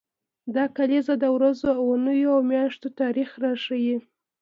دا کلیزې د ورځو، اونیو او میاشتو تاریخ راښيي.